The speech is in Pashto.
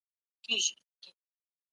په کار نه راځي